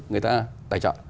người ta tài trợ